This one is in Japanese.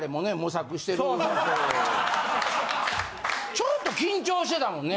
ちょっと緊張してたもんね